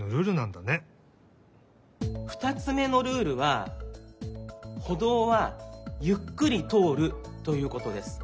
２つめのルールはほどうはゆっくりとおるということです。